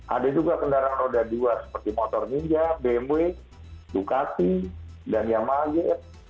ada juga kendaraan roda dua seperti motor ninja bmw ducati dan yamaha gs